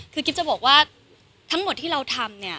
คือกิ๊บจะบอกว่าทั้งหมดที่เราทำเนี่ย